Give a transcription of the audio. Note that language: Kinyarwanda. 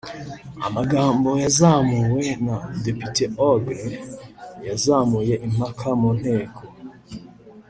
Amagambo yazamuwe na Depite Ogle yazamuye impaka mu Nteko